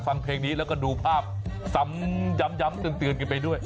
ฟังเพลงนี้แล้วก็ดูภาพซ้ำย้ำเตือนกันไปด้วย